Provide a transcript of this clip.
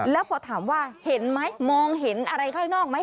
แล้วพอถามว่าเห็นไหมมองเห็นอะไรข้างนอกไหม